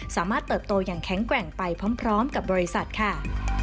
เติบโตอย่างแข็งแกร่งไปพร้อมกับบริษัทค่ะ